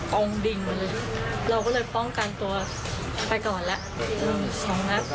กองดิงเลยเราก็เลยป้องกันตัวไปก่อนแล้ว